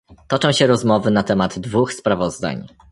Toczą się rozmowy na temat dwóch sprawozdań